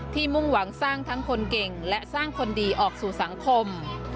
มุ่งหวังสร้างทั้งคนเก่งและสร้างคนดีออกสู่สังคม